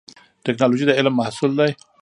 ټکنالوژي د علم محصول دی